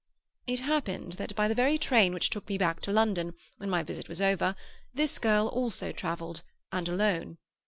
"It happened that by the very train which took me back to London, when my visit was over, this girl also travelled, and alone.